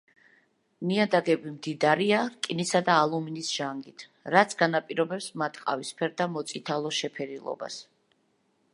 ნიადაგები მდიდარია რკინისა და ალუმინის ჟანგით, რაც განაპირობებს მათ ყავისფერ და მოწითალო შეფერილობას.